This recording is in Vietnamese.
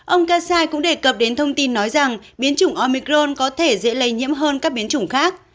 ông kasai cũng đề cập đến thông tin nói rằng biến chủng omicron có thể dễ lây nhiễm hơn các biến chủng khác